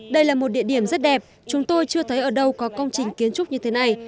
đây là một địa điểm rất đẹp chúng tôi chưa thấy ở đâu có công trình kiến trúc như thế này